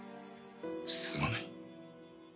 すまない。